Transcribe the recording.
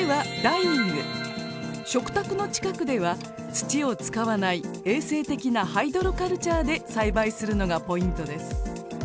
食卓の近くでは土を使わない衛生的なハイドロカルチャーで栽培するのがポイントです。